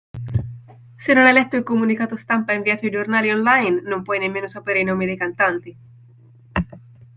Se non hai letto il comunicato stampa inviato ai giornali online non puoi nemmeno sapere i nomi dei cantanti.